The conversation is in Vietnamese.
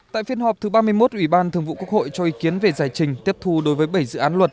tại phiên họp thứ ba mươi một ủy ban thường vụ quốc hội cho ý kiến về giải trình tiếp thu đối với bảy dự án luật